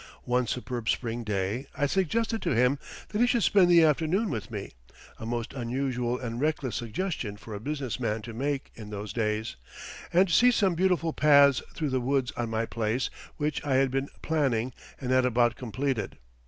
One superb spring day I suggested to him that he should spend the afternoon with me (a most unusual and reckless suggestion for a business man to make in those days) and see some beautiful paths through the woods on my place which I had been planning and had about completed.